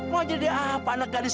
mau jadi apa anak gadis